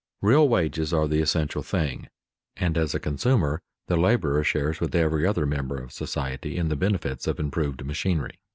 Real wages are the essential thing, and as a consumer the laborer shares with every other member of society in the benefits of improved machinery.